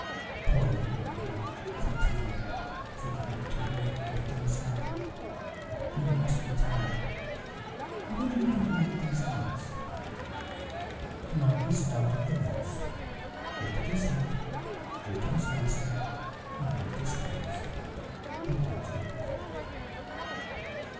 "Poor little monkey!" said Tiny as he came up to her, lifting his hat, "you must be tired. I wonder if you'd like these nuts." The monkey smelled of the nuts, lifted his hat, looked at his master, and nodding his thanks, began to eat them.